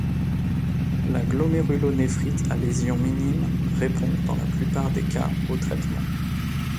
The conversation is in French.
La glomérulonéphrite à lésions minimes répond dans la plupart des cas au traitement.